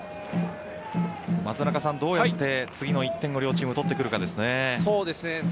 松中さん、どうやって次の１点を両チーム、取ってくるかですね。